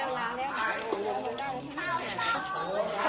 โห้โห่โห้